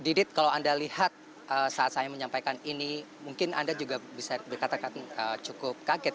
didit kalau anda lihat saat saya menyampaikan ini mungkin anda juga bisa dikatakan cukup kaget